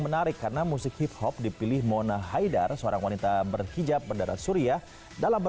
menarik karena musik hip hop dipilih mona haidar seorang wanita berhijab berdarat suriah dalam